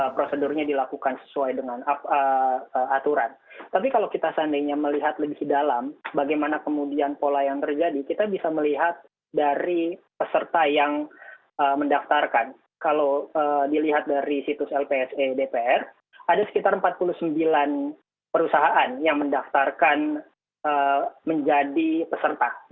empat puluh sembilan perusahaan yang mendaftarkan menjadi peserta